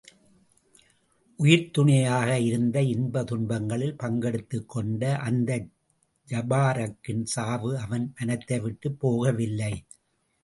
உயிர்த்துணையாக இருந்து இன்ப துன்பங்களில் பங்கெடுத்துக் கொண்ட அந்த ஜபாரக்கின் சாவு அவன் மனத்தைவிட்டுப் போகவில்லை.